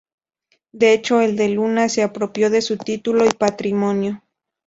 De hecho el de Luna se apropió de su título y patrimonio.